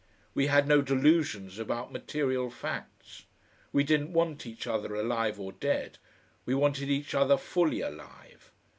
We had no delusions about material facts; we didn't want each other alive or dead, we wanted each other fully alive.